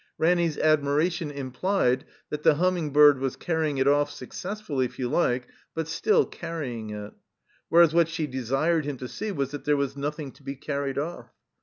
Ranny's admiration implied that the Humming bird was carrying it off, success fully, if you like, but still canying it. Whereas what she desired him to see was that there was nothing to be carried off.